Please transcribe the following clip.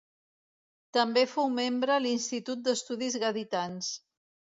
També fou membre l'Institut d'Estudis Gaditans.